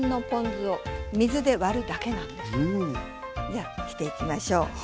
じゃあしていきましょう。